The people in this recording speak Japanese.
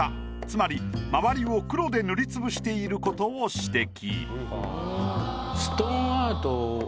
つまり周りを黒で塗りつぶしていることを指摘。